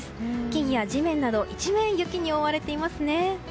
木々や地面など一面、雪に覆われていますね。